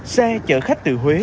xe chở khách từ huế